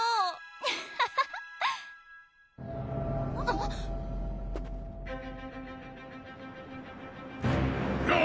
アハハハあっえる？